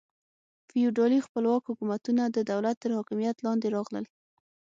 فیوډالي خپلواک حکومتونه د دولت تر حاکمیت لاندې راغلل.